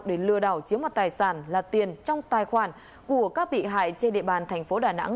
để lừa đảo chiếm hoạt tài sản là tiền trong tài khoản của các bị hại trên địa bàn thành phố đà nẵng